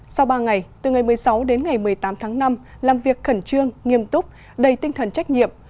sau ba ngày từ ngày một mươi sáu đến ngày một mươi tám tháng năm làm việc khẩn trương nghiêm túc đầy tinh thần trách nhiệm